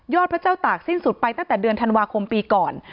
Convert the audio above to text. พระเจ้าตากสิ้นสุดไปตั้งแต่เดือนธันวาคมปีก่อน